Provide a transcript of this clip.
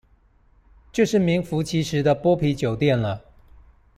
就是名符其實的剝皮酒店了